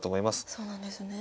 そうなんですね。